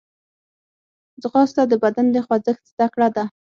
ځغاسته د بدن د خوځښت زدهکړه ده